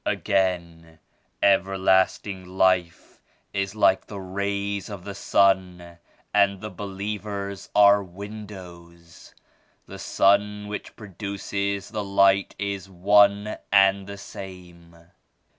Again, Everlasting Life is like the rays of the Sun and the believers are windows; the Sun which produces the Light is One and the same.